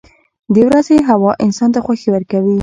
• د ورځې هوا انسان ته خوښي ورکوي.